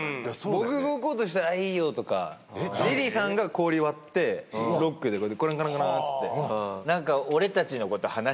僕動こうとしたら「いいよ」とか。リリーさんが氷割ってロックでカランカランっつって。